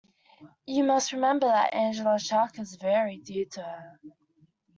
You must remember that Angela's shark is very dear to her.